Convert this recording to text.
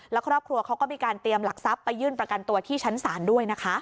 แล้วครอบครัวเขาก็มีการเตรียมหลักทรัพย์ไปยื่นประกันตัวที่ชั้นศาลด้วยนะคะ